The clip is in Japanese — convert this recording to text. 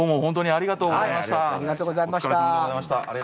ありがとうございます。